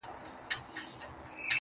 محمود خان اڅکزي له خلکو وغوښتل